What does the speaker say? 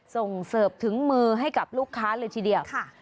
ส่งเสิร์ฟถึงมือให้กับลูกค้าเลยทีเดียวค่ะค่ะ